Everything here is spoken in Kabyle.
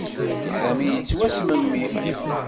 Sami yettwasmemmi.